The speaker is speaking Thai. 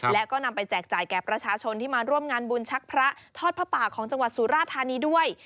และก็นำไปแจกจ่ายแก่ประชาชนที่มาร่วมงานบุญชักพระทอดผ้าป่าของจังหวัดสุราธานีด้วย